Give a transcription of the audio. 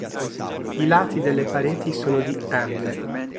I lati delle pareti sono di m.